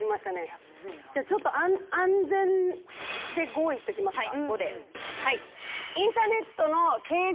じゃあちょっと安全で５いっておきますか。